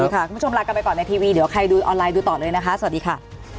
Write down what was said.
คุณผู้ชมลากันไปก่อนในทีวีเดี๋ยวใครดูออนไลน์ดูต่อเลยนะคะสวัสดีค่ะ